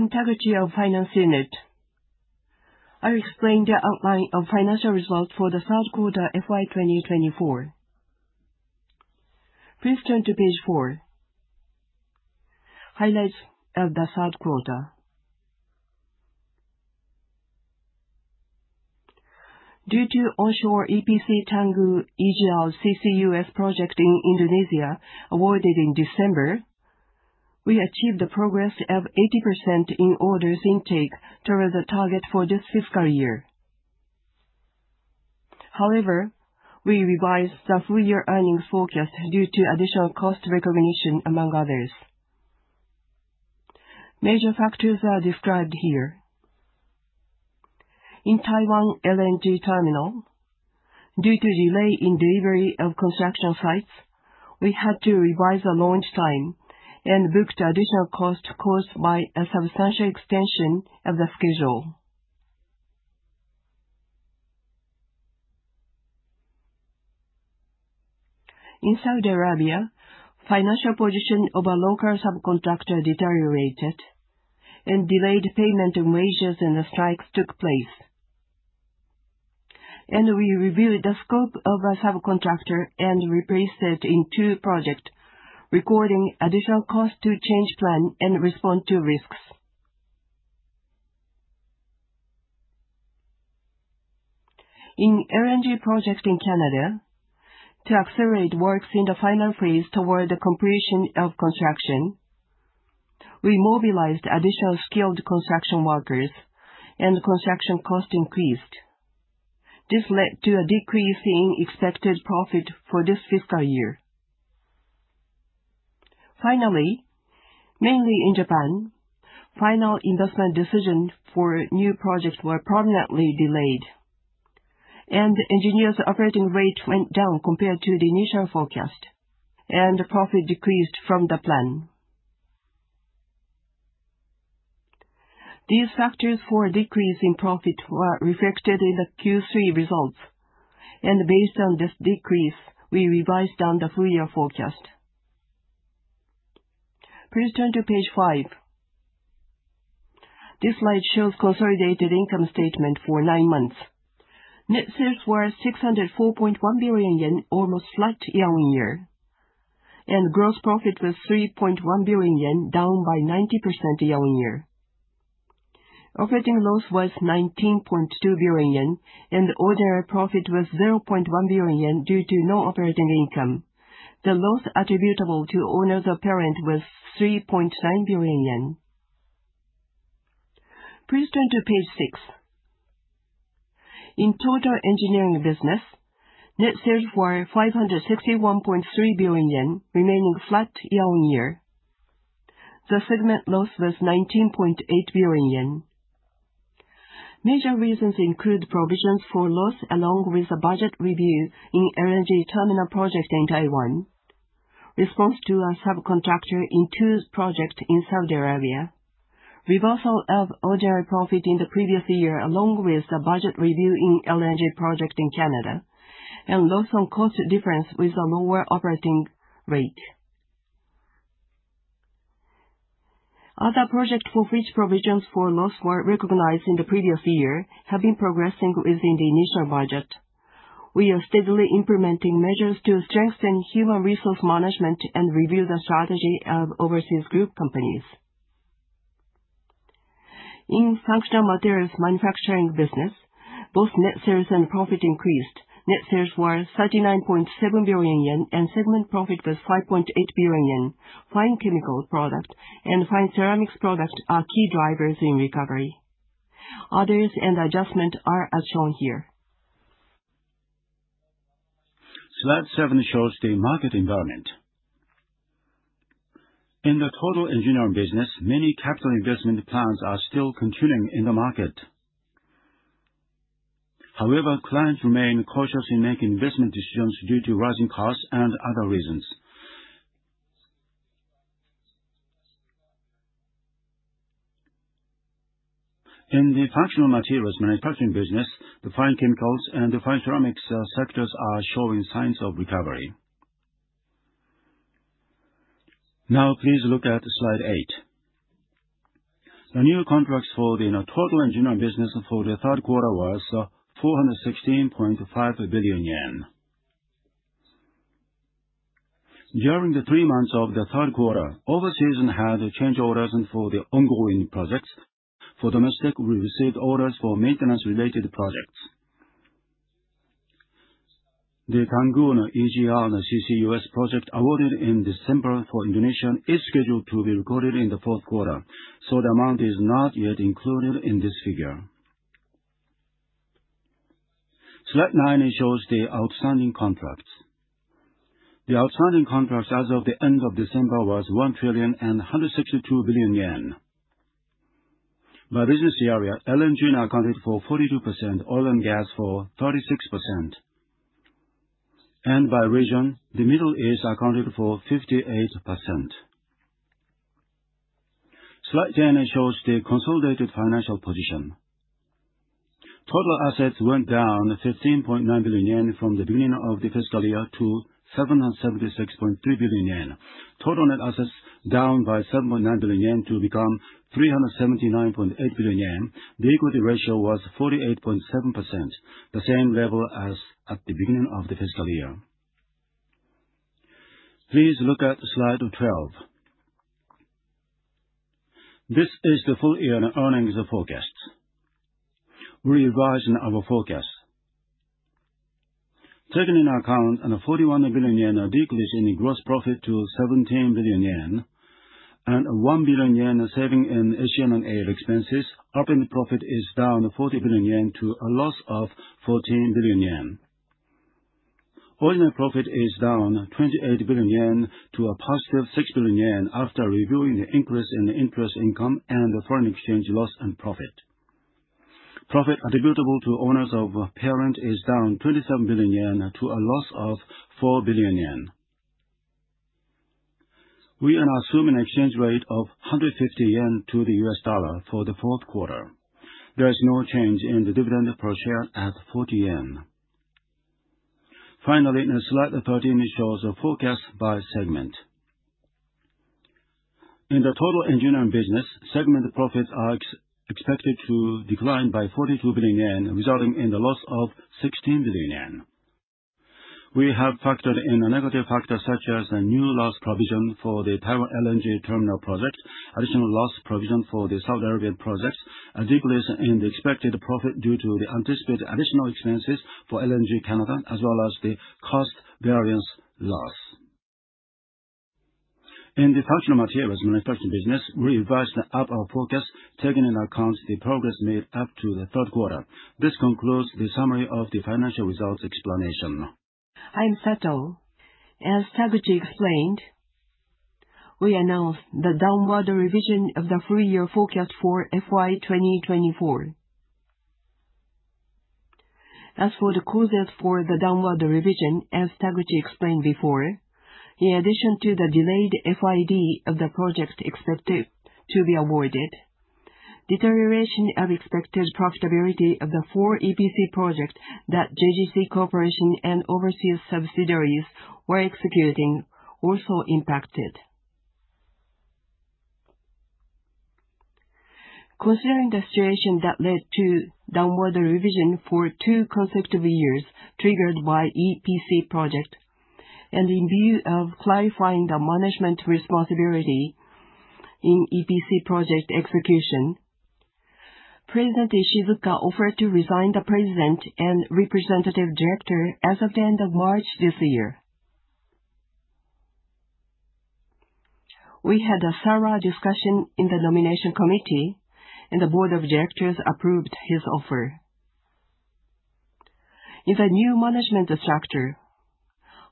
I'm Taguchi of Finance Unit. I'll explain the outline of financial results for the third quarter of FY2024. Please turn to Page 4. Highlights of the third quarter. Due to onshore EPC Tangguh LNG CCUS Project in Indonesia awarded in December, we achieved progress of 80% in orders intake toward the target for this fiscal year. However, we revised the full-year earnings focus due to additional cost recognition, among others. Major factors are described here. In Taiwan LNG Terminal, due to delay in delivery of construction sites, we had to revise the launch time and booked additional costs caused by a substantial extension of the schedule. In Saudi Arabia, financial position of a local subcontractor deteriorated, and delayed payment of wages and strikes took place, and we reviewed the scope of a subcontractor and replaced it in two projects, recording additional costs to change plan and respond to risks. In LNG projects in Canada, to accelerate works in the final phase toward the completion of construction, we mobilized additional skilled construction workers, and construction costs increased. This led to a decrease in expected profit for this fiscal year. Finally, mainly in Japan, final investment decisions for new projects were permanently delayed, and engineers' operating rate went down compared to the initial forecast, and profit decreased from the plan. These factors for decrease in profit were reflected in the Q3 results, and based on this decrease, we revised down the full-year forecast. Please turn to Page 5. This Slide shows consolidated income statement for nine months. Net sales were 604.1 billion yen, almost flat year on year, and gross profit was 3.1 billion yen, down by 90% year on year. Operating loss was 19.2 billion yen, and ordinary profit was 0.1 billion yen due to no operating income. The loss attributable to owners of parent was JPY 3.9 billion. Please turn to Page 6. In Total Engineering business, net sales were 561.3 billion yen, remaining flat year on year. The segment loss was 19.8 billion yen. Major reasons include provisions for loss along with a budget review in LNG terminal project in Taiwan, response to a subcontractor in two projects in Saudi Arabia, reversal of order profit in the previous year along with a budget review in LNG project in Canada, and loss on cost difference with a lower operating rate. Other projects for which provisions for loss were recognized in the previous year have been progressing within the initial budget. We are steadily implementing measures to strengthen human resource management and review the strategy of overseas group companies. In Functional Materials Manufacturing Business, both net sales and profit increased. Net sales were 39.7 billion yen, and segment profit was 5.8 billion yen. Fine Chemicals Products and Fine Ceramics Products are key drivers in recovery. Others and Adjustments are as shown here. Slide 7 shows the market environment. In the Total Engineering business, many capital investment plans are still continuing in the market. However, clients remain cautious in making investment decisions due to rising costs and other reasons. In the Functional Materials Manufacturing Business, the fine chemicals and the fine ceramics sectors are showing signs of recovery. Now, please look at Slide 8. The new contracts for the Total Engineering business for the third quarter were JPY 416.5 billion. During the three months of the third quarter, overseas had change orders for the ongoing projects. For domestic, we received orders for maintenance-related projects. The Tangguh LNG CCUS Project awarded in December for Indonesia is scheduled to be recorded in the fourth quarter, so the amount is not yet included in this figure. Slide 9 shows the outstanding contracts. The outstanding contracts as of the end of December were 1 trillion and 162 billion. By business area, LNG accounted for 42%, oil and gas for 36%, and by region, the Middle East accounted for 58%. Slide 10 shows the consolidated financial position. Total assets went down 15.9 billion yen from the beginning of the fiscal year to 776.3 billion yen. Total net assets down by 7.9 billion yen to become 379.8 billion yen. The equity ratio was 48.7%, the same level as at the beginning of the fiscal year. Please look at Slide 12. This is the full-year earnings forecast. We revised our forecast. Taken in account a 41 billion yen decrease in gross profit to 17 billion yen and 1 billion yen saving in SG&A expenses, operating profit is down 40 billion yen to a loss of 14 billion yen. Ordinary profit is down 28 billion yen to a positive 6 billion yen after reviewing the increase in interest income and foreign exchange loss and profit. Profit attributable to owners of parent is down 27 billion yen to a loss of 4 billion yen. We are assuming an exchange rate of 150 yen to the U.S. Dollar for the fourth quarter. There is no change in the dividend per share at 40 yen. Finally, Slide 13 shows a forecast by segment. In the Total Engineering business, segment profits are expected to decline by 42 billion yen, resulting in a loss of 16 billion yen. We have factored in negative factors such as new loss provision for the Taiwan LNG terminal project, additional loss provision for the Saudi Arabian projects, a decrease in the expected profit due to the anticipated additional expenses for LNG Canada, as well as the cost variance loss. In the Functional Materials Manufacturing Business, we revised up our forecast, taking into account the progress made up to the third quarter. This concludes the summary of the financial results explanation. I am Sato. As Taguchi explained, we announced the downward revision of the full-year forecast for FY2024. As for the causes for the downward revision, as Taguchi explained before, in addition to the delayed FID of the project expected to be awarded, deterioration of expected profitability of the four EPC projects that JGC Corporation and overseas subsidiaries were executing also impacted. Considering the situation that led to downward revision for two consecutive years triggered by EPC projects, and in view of clarifying the management responsibility in EPC project execution, President Ishizuka offered to resign the president and representative director as of the end of March this year. We had a thorough discussion in the Nomination Committee, and the Board of Directors approved his offer. In the new management structure,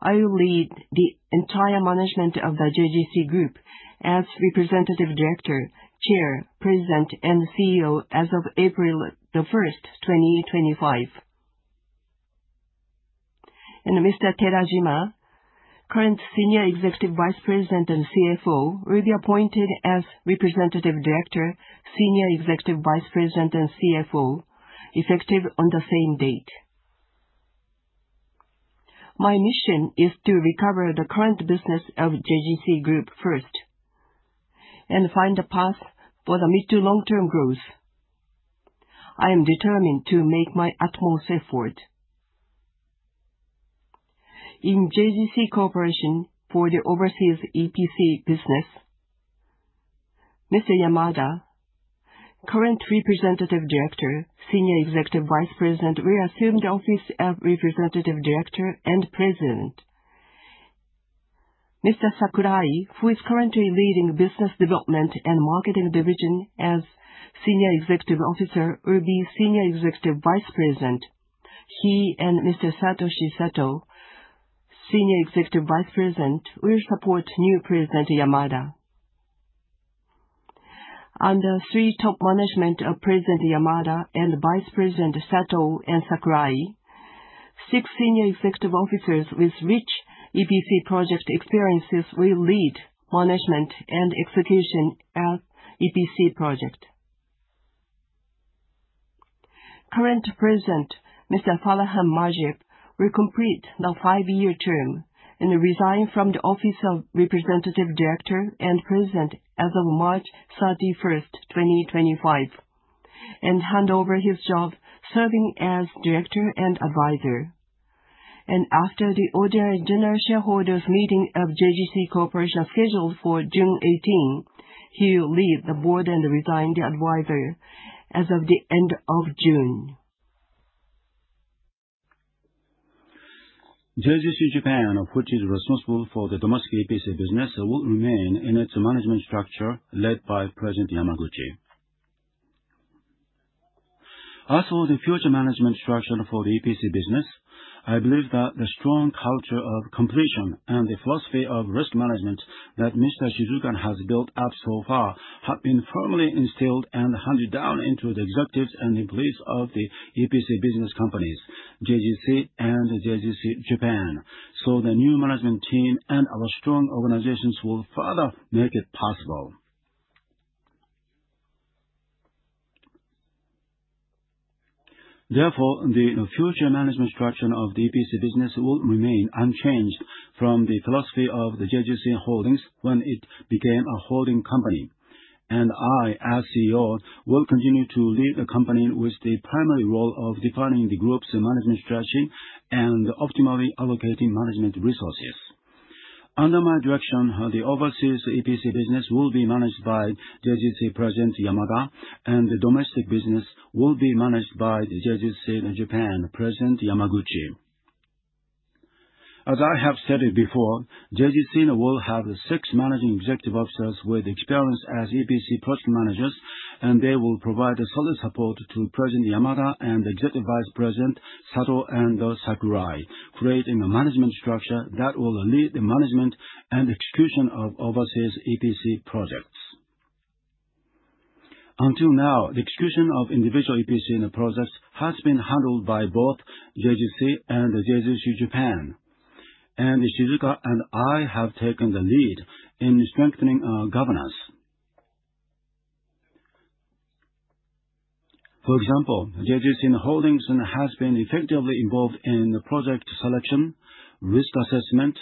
I will lead the entire management of the JGC Group as Representative Director, Chair, President, and CEO as of April 1, 2025, and Mr. Terajima, current Senior Executive Vice President and CFO, will be appointed as Representative Director, Senior Executive Vice President, and CFO, effective on the same date. My mission is to recover the current business of JGC Group first and find a path for the mid to long-term growth. I am determined to make my utmost effort. In JGC Corporation for the overseas EPC business, Mr. Yamada, current Representative Director, Senior Executive Vice President, will assume the office of Representative Director and President. Mr. Sakurai, who is currently leading business development and marketing division as Senior Executive Officer, will be Senior Executive Vice President. He and Mr. Satoshi Sato, Senior Executive Vice President, will support new President Yamada. Under three top management of President Yamada and Vice President Sato and Sakurai, six senior executive officers with rich EPC project experiences will lead management and execution of EPC projects. Current President Mr. Farhan Mujib will complete the five-year term and resign from the office of representative director and president as of March 31, 2025, and hand over his job serving as director and advisor, and after the ordinary general shareholders' meeting of JGC Corporation scheduled for June 18, he will leave the board and resign as advisor as of the end of June. JGC Japan, which is responsible for the domestic EPC business, will remain in its management structure led by President Yamaguchi. As for the future management structure for the EPC business, I believe that the strong culture of completion and the philosophy of risk management that Mr. Ishizuka has built up so far have been firmly instilled and handed down into the executives and employees of the EPC business companies, JGC and JGC Japan, so the new management team and our strong organizations will further make it possible. Therefore, the future management structure of the EPC business will remain unchanged from the philosophy of the JGC Holdings when it became a holding company, and I, as CEO, will continue to lead the company with the primary role of defining the group's management strategy and optimally allocating management resources. Under my direction, the overseas EPC business will be managed by JGC President Yamada, and the domestic business will be managed by JGC Japan President Yamaguchi. As I have stated before, JGC will have six managing executive officers with experience as EPC project managers, and they will provide solid support to President Yamada and Executive Vice President Sato and Sakurai, creating a management structure that will lead the management and execution of overseas EPC projects. Until now, the execution of individual EPC projects has been handled by both JGC and JGC Japan, and Ishizuka and I have taken the lead in strengthening governance. For example, JGC Holdings has been effectively involved in project selection, risk assessment,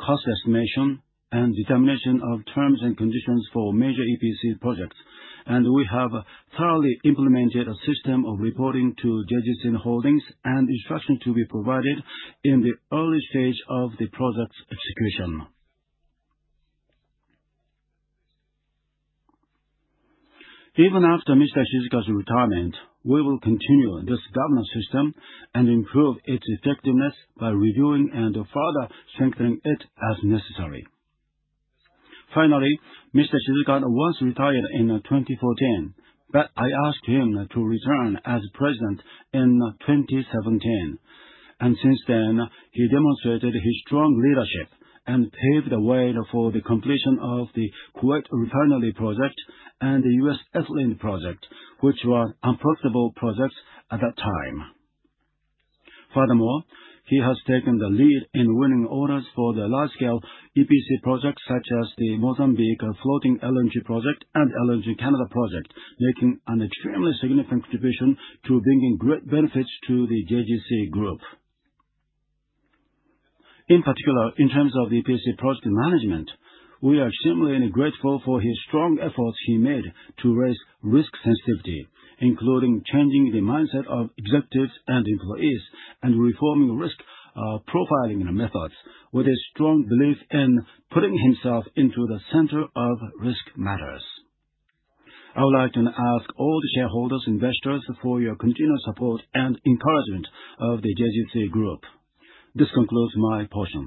cost estimation, and determination of terms and conditions for major EPC projects, and we have thoroughly implemented a system of reporting to JGC Holdings and instruction to be provided in the early stage of the project's execution. Even after Mr. Ishizuka's retirement, we will continue this governance system and improve its effectiveness by reviewing and further strengthening it as necessary. Finally, Mr. Ishizuka once retired in 2014, but I asked him to return as president in 2017, and since then, he demonstrated his strong leadership and paved the way for the completion of the Kuwait refinery project and the U.S. Ethylene Project, which were unprofitable projects at that time. Furthermore, he has taken the lead in winning orders for the large-scale EPC projects such as the Mozambique Floating LNG Project and LNG Canada Project, making an extremely significant contribution to bringing great benefits to the JGC Group. In particular, in terms of the EPC project management, we are extremely grateful for his strong efforts he made to raise risk sensitivity, including changing the mindset of executives and employees and reforming risk profiling methods, with a strong belief in putting himself into the center of risk matters. I would like to ask all the shareholders and investors for your continued support and encouragement of the JGC Group. This concludes my portion.